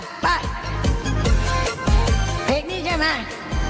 อะไปเพลงนี้ใช่มั้ย